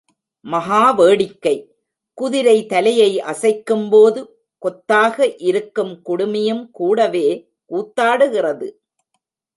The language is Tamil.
மகா வேடிக்கை. குதிரை தலையை அசைக்கும்போது கொத்தாக, இருக்கும் குடுமியும் கூடவே கூத்தாடுகிறது.